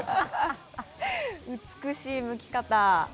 美しいむき方。